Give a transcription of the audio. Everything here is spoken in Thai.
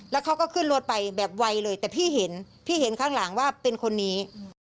แล้วเขาก็ขึ้นรถไปแบบไวเลยแต่พี่เห็นพี่เห็นข้างหลังว่าเป็นคนนี้